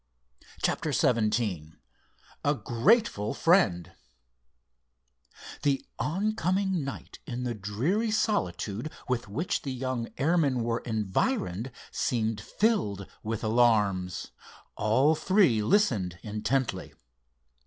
CHAPTER XVII A GRATEFUL FRIEND The oncoming night in the dreary solitude with which the young airmen were environed seemed filled with alarms. All three listened intently.